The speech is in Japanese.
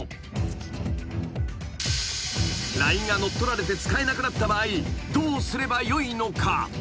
［ＬＩＮＥが乗っ取られて使えなくなった場合どうすればよいのか？］